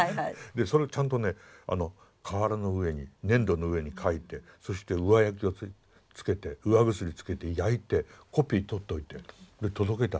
それをちゃんとね瓦の上に粘土の上に書いてそして釉薬つけて焼いてコピー取っておいてで届けた。